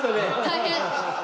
大変。